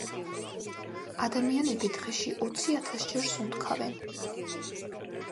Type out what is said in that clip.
ადამიანები დღეში ოციათასჯერ სუნთქავენ.